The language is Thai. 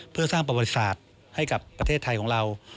เพื่อสร้างประวัติศาสตร์ให้กับประเทศไทยของเรา